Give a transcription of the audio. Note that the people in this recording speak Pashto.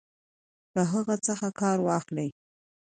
له هغه څخه کار واخلي.